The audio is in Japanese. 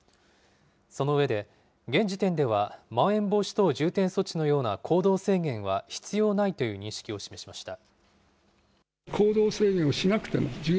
その上で、現時点ではまん延防止等重点措置のような行動制限は必要ないという認識を示しました。